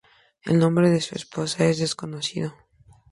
El nombre de su esposa es desconocido.